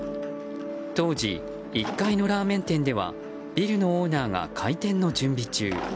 当時、１階のラーメン店ではビルのオーナーが開店の準備中。